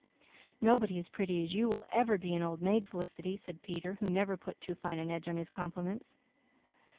"Nobody as pretty as you will ever be an old maid, Felicity," said Peter, who never put too fine an edge on his compliments.